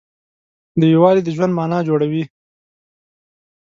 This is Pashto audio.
دا یووالی د ژوند معنی جوړوي.